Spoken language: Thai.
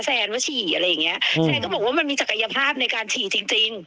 แฟนว่าฉี่อะไรอย่างเงี้ยแสดงก็บอกว่ามันมีศักยภาพในการฉี่จริงจริง